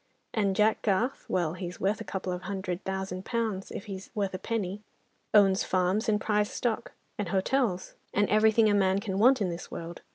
And Jack Garth, well, he's worth a couple of hundred thousand pounds, if he's worth a penny; owns farms and prize stock, and hotels, and everything a man can want in this world.